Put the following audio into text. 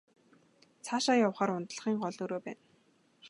Цаашаа явахаар унтлагын гол өрөө байна.